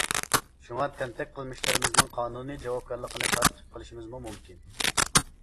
شۇڭا، تەنتەك قىلمىشلىرىمىزنىڭ قانۇنىي جاۋابكارلىقىنى تارتىپ قېلىشىمىزمۇ مۇمكىن.